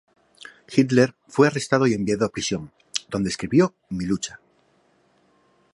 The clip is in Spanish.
Hitler fue arrestado y enviado a prisión, donde escribió "Mi Lucha".